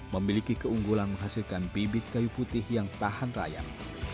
memiliki keunggulan menghasilkan bibit kayu putih yang tahan rayap